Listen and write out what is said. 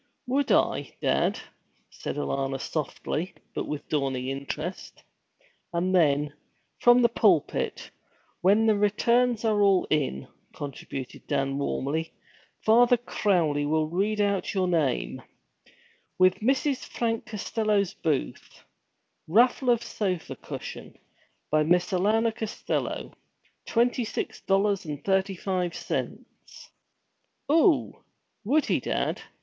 'Would I, dad?' said Alanna softly, but with dawning interest. 'And then, from the pulpit, when the returns are all in,' contributed Dan warmly, 'Father Crowley will read out your name, "With Mrs. Frank Costello's booth raffle of sofa cushion, by Miss Alanna Costello, twenty six dollars and thirty five cents!" 'Oo would he, dad?'